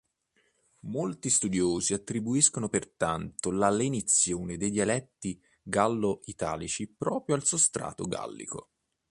Molti studiosi attribuiscono pertanto la lenizione dei dialetti gallo-italici proprio al sostrato gallico.